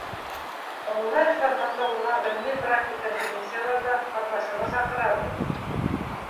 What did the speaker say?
Онлайн форматта уҙған ғилми-практик конференцияларҙа ҡатнашырға саҡырабыҙ!